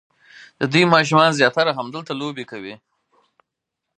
د دوی ماشومان زیاتره همدلته لوبې کوي.